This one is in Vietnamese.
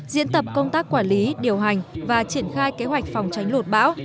diễn tập công tác quản lý điều hành và triển khai kế hoạch phòng tránh lột bão